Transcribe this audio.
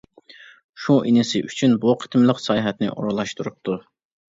شۇ ئىنىسى ئۈچۈن بۇ قېتىملىق ساياھەتنى ئورۇنلاشتۇرۇپتۇ.